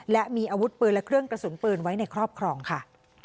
และมีอาวุธปืนและเครื่องกระสุนปืนไว้ในครอบครองค่ะ